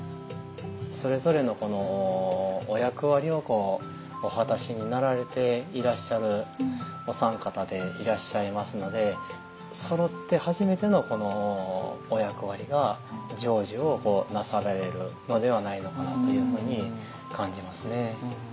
それぞれのこのお役割をお果たしになられていらっしゃるお三方でいらっしゃいますのでそろって初めてのこのお役割が成就をなされるのではないのかなというふうに感じますね。